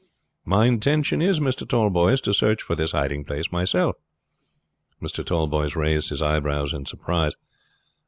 "My intention is, Mr. Tallboys, to search for this hiding place myself." Mr. Tallboys raised his eyebrows in surprise.